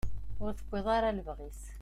Ur tewwiḍ ara lebɣi-s.